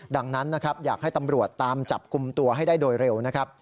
ดังนั้นอยากให้ตำรวจตามจับกลุ่มตัวให้ได้โดยเร็ว